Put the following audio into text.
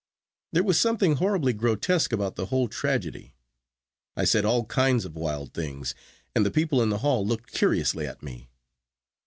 There was something horribly grotesque about the whole tragedy. I said all kinds of wild things, and the people in the hall looked curiously at me.